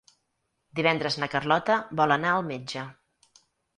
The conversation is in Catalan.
Divendres na Carlota vol anar al metge.